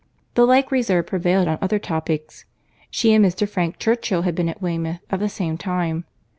The like reserve prevailed on other topics. She and Mr. Frank Churchill had been at Weymouth at the same time.